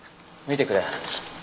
見てくれ。